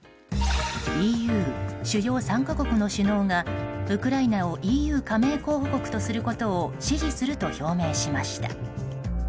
ＥＵ主要３か国の首脳がウクライナをＥＵ加盟候補国とすることを支持すると表明しました。